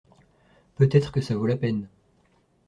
Peut-être que ça vaut la peine.